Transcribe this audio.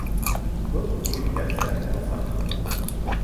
— Был егеттәрсә буласаҡ!